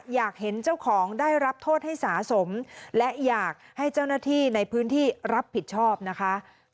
อยากเห็นเจ้าของได้รับโทษให้สะสมและอยากให้เจ้าหน้าที่ในพื้นที่รับผิดชอบนะคะ